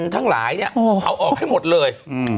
ทั้งหลายเนี่ยเอาออกให้หมดเลย